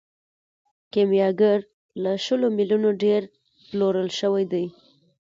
کیمیاګر له شلو میلیونو ډیر پلورل شوی دی.